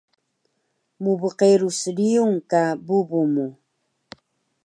Mbqerus riyung ka bubu mu